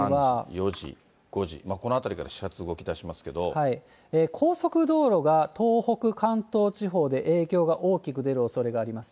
４時、このころから始発、高速道路が東北、関東地方で影響が大きく出るおそれがあります。